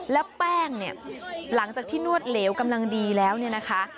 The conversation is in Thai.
แล้วแป้งเนี่ยหลังจากที่นวดเหลวกำลังดีแล้วเนี่ยนะคะ